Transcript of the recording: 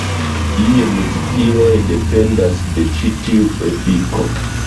Iuj muzikiloj dependas de ĉi tiu efiko.